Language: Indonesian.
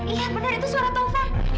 iya benar itu suara taufa